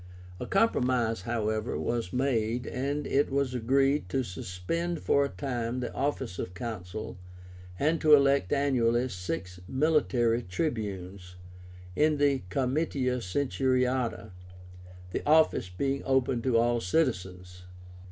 A compromise, however, was made, and it was agreed to suspend for a time the office of Consul, and to elect annually six MILITARY TRIBUNES in the Comitia Centuriáta, the office being open to all citizens.